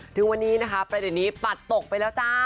ถึงวันนี้นะคะประเด็นนี้ปัดตกไปแล้วจ้า